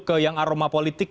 ke yang aroma politik